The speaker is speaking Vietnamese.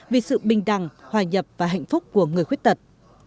vì sự bình đẳng hòa nhập và hạnh phúc của người khuyết tật